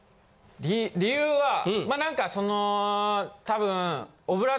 理由はまあ何かその多分。